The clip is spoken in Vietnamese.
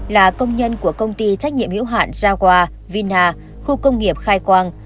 là công nhân của công ty trách nhiệm hữu hạn jagua vina khu công nghiệp khai quang